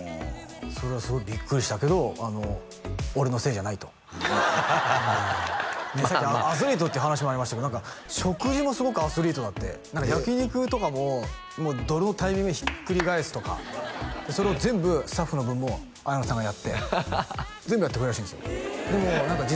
「それはすごいビックリしたけど俺のせいじゃない」とねえさっきアスリートって話もありましたけど何か食事もすごくアスリートだって焼き肉とかももうどのタイミングでひっくり返すとかそれを全部スタッフの分も綾野さんがやって全部やってくれるらしいんですよ